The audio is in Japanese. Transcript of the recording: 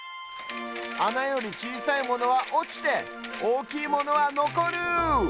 あなよりちいさいものはおちておおきいものはのこる！